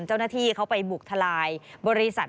เจ้าหน้าที่เขาไปบุกทลายบริษัท